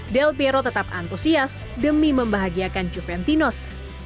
del piero tetap antusias demi membahagiakan juventus